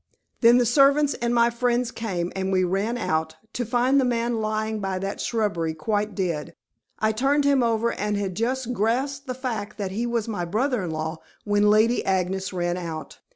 Then the servants and my friends came and we ran out, to find the man lying by that shrubbery quite dead. I turned him over and had just grasped the fact that he was my brother in law, when Lady Agnes ran out.